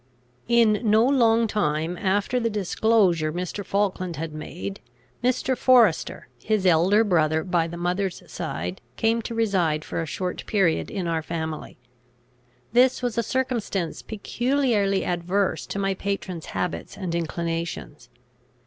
In no long time after the disclosure Mr. Falkland had made, Mr. Forester, his elder brother by the mother's side, came to reside for a short period in our family. This was a circumstance peculiarly adverse to my patron's habits and inclinations.